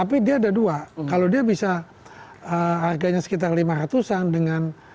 tapi dia ada dua kalau dia bisa harganya sekitar lima ratus an dengan